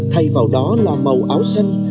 thay vào đó là màu áo xanh